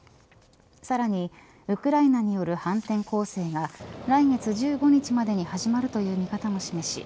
さらにウクライナによる反転攻勢が来月１５日までに始まるという見方も示し